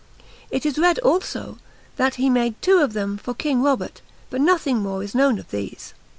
It is read, also, that he made two of them for King Robert, but nothing more is known of these.